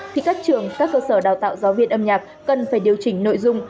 thì các trường các cơ sở đào tạo giáo viên âm nhạc cần phải điều chỉnh nội dung